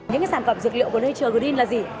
những cái sản phẩm dược liệu của nature green là gì